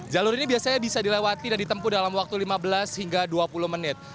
jalur ini biasanya bisa dilewati dan ditempuh dalam waktu lima belas hingga dua puluh menit